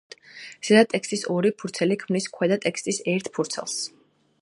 ზედა ტექსტის ორი ფურცელი ქმნის ქვედა ტექსტის ერთ ფურცელს.